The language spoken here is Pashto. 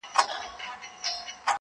نو ثابته ده چې د ماورالطبیعت حسن